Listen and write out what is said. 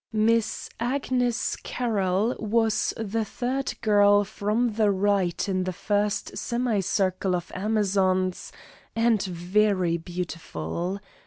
Miss Agnes Carroll was the third girl from the right in the first semi circle of amazons, and very beautiful.